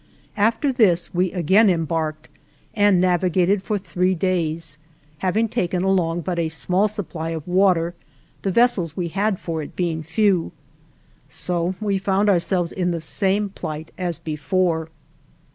After this we again embarked and navigated for three days, having taken along but a small supply of water, the vessels we had for it being few. So we found ourselves in the same plight as before.